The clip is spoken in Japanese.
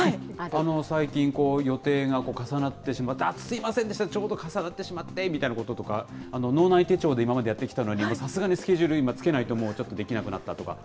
最近、予定が重なってしまって、あっ、すみませんでした、ちょうど重なってしまってみたいなこと、脳内手帳で今までやってきたのにさすがにスケジュールつけないと、ちょっとできなくなったのか。